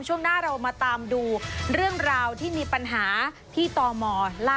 ช่วงหน้าเรามาตามดูเรื่องราวที่มีปัญหา